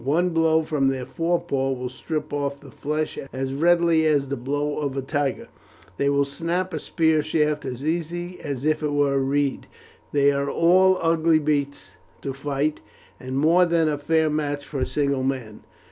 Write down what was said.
One blow from their forepaws will strip off the flesh as readily as the blow of a tiger. They will snap a spear shaft as easily as if it were a reed. They are all ugly beasts to fight, and more than a fair match for a single man.